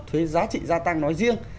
thuế giá trị gia tăng nói riêng